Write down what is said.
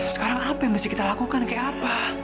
sekarang apa yang mesti kita lakukan kayak apa